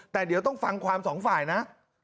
แต่เดี๋ยวต้องฟังความสองฝ่ายนะ